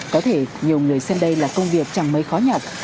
có thể nhiều người xem đây là công việc chẳng mây khó nhọc